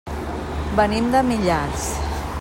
Venim de Millars.